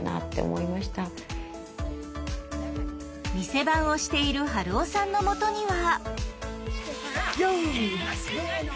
店番をしている春雄さんのもとには。